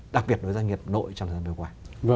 đặc biệt với doanh nghiệp nội trong thời gian vừa qua